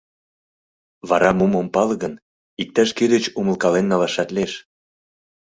— Вара мом ом пале гын, иктаж-кӧ деч умылкален налашат лиеш.